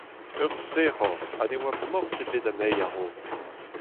Ur sec'hor ha ne oa morse bet anezhi a-raok.